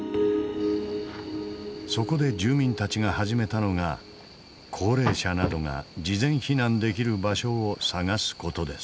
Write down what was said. そこで住民たちが始めたのが高齢者などが事前避難できる場所を探す事です。